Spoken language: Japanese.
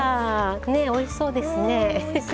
うんおいしそうです。